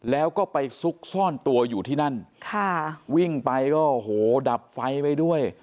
แล้วก็ไปซุกซ่อนตัวอยู่ที่นั่นค่ะวิ่งไปก็โอ้โหดับไฟไปด้วย